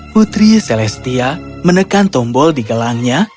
putri celestia menekan tombol di gelangnya